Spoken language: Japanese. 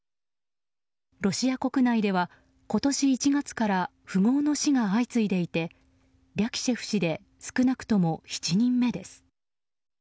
ロシア国内では今年１月から富豪の死が相次いでいてリャキシェフ氏で少なくとも７人目です。